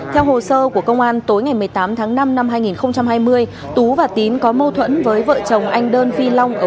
theo hồ sơ của công an tối ngày một mươi tám tháng năm năm hai nghìn hai mươi tú và tín có mâu thuẫn với vợ chồng anh đơn phi long